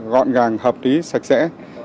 gọn gàng hợp lý sạch sẽ